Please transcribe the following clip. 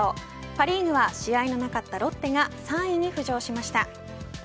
パ・リーグは試合のなかったロッテが３位に浮上しました。